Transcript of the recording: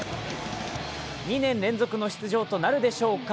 ２年連続の出場となるでしょうか。